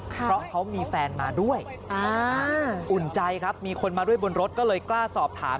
เพราะเขามีแฟนมาด้วยอุ่นใจครับมีคนมาด้วยบนรถก็เลยกล้าสอบถาม